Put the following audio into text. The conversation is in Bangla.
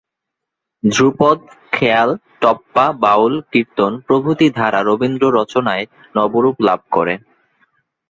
ধ্রুপদ, খেয়াল, টপ্পা, বাউল, কীর্তন প্রভৃতি ধারা রবীন্দ্ররচনায় নবরূপ লাভ করে।